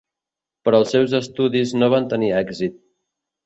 Però els seus estudis no van tenir èxit.